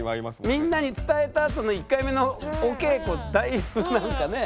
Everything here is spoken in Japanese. みんなに伝えたあとの１回目のお稽古だいぶなんかね